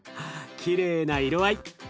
きれいな色合い。